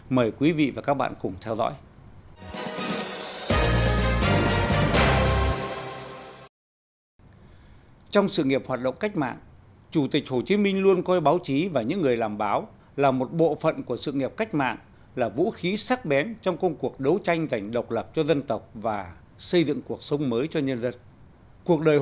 mời quý vị và các bạn cùng theo dõi